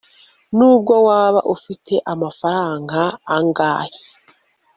nubwo waba ufite amafaranga angahe